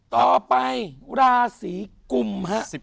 ต่อไปราศีกุมฮะ